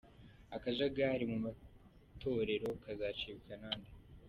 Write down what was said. Akajagari mu matorero kazacibwa na nde?.